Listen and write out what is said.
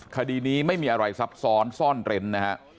คดีนี้ไม่มีอะไรซับซ้อนซ่อนเร้นนะฮะ